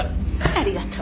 ありがとう。